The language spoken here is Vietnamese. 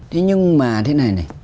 thế nhưng mà thế này này